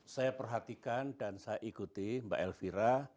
saya perhatikan dan saya ikuti mbak elvira